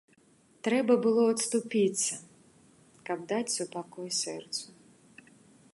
Трэба было адступіцца, каб даць супакой сэрцу.